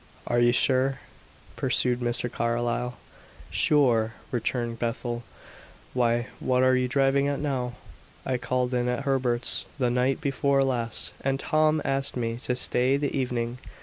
"Are you sure," pursued Mr. Carlyle. "Sure!" returned Bethel; "why, what are you driving at now? I called in at Herbert's the night before last, and Tom asked me to stay the evening.